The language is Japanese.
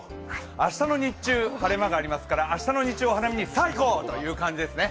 明日の日中、晴れ間がありますから明日の日中お花見にさあ行こう！って感じですね。